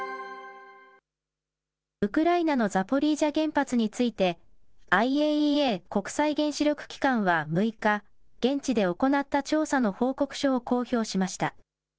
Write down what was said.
ウクライナのザポリージャ原発について、ＩＡＥＡ・国際原子力機関は６日、現地で行った調査の報告書を公表しました。